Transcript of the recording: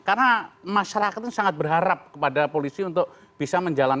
karena masyarakat itu sangat berharap kepada polisi untuk menjaga keamanan masyarakat